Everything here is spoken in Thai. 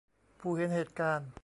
ผู้เห็นเหตุการณ์